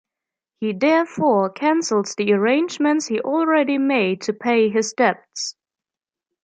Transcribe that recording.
He therefore cancels the arrangements he already made to pay his debts.